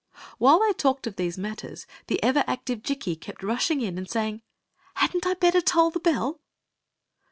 While they talked of these matters, the ever active Jikki kept rushing in and saying: "Had n't I better toll the bell?"